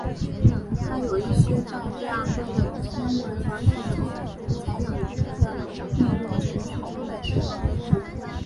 它有一些在最昂贵的天文软体中才有的应用程式中的许多功能。